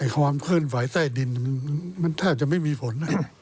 ความขึ้นฝ่ายใต้ดินมันแทบจะไม่มีผล